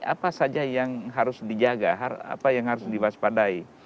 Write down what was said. apa saja yang harus dijaga apa yang harus diwaspadai